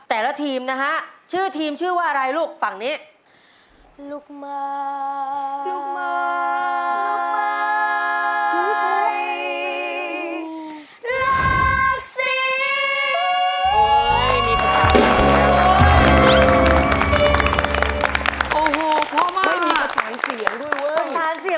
แต่ละทีมนะฮะชื่อทีมชื่อว่าอะไรลูกฝั่งนี้